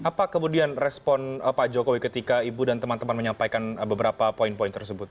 apa kemudian respon pak jokowi ketika ibu dan teman teman menyampaikan beberapa poin poin tersebut